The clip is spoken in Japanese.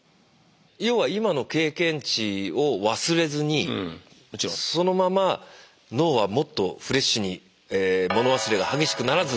要は今の経験値を忘れずにそのまま脳はもっとフレッシュに物忘れが激しくならず。